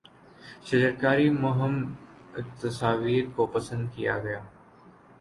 شجرکاری مہم تصاویر کو پسند کیا گیا